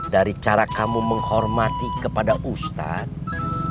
dari cara kamu menghormati kepada ustadz